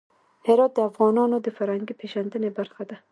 هرات د افغانانو د فرهنګي پیژندنې برخه ده.